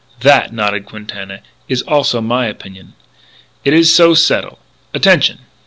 "That," nodded Quintana, "is also my opinion. It is so settle. Attention!"